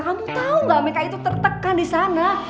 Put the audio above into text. kamu tau ga meka itu tertekan disana